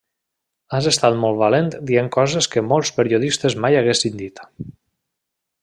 Has estat molt valent dient coses que molts periodistes mai haguessin dit.